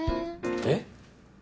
えっ？